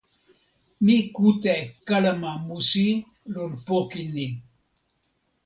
mi kute e kalama musi lon poki ni.